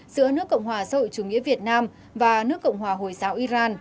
giữa nước cộng hòa sâu chủ nghĩa việt nam và nước cộng hòa hồi giáo iran